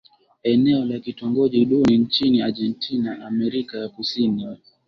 Eneo la kitongoji duni nchini Argentina Amerika ya Kusini